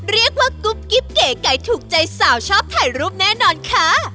เรียกว่ากุ๊บกิ๊บเก๋ไก่ถูกใจสาวชอบถ่ายรูปแน่นอนค่ะ